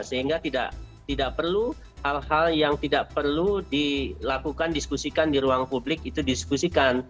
sehingga tidak perlu hal hal yang tidak perlu dilakukan diskusikan di ruang publik itu diskusikan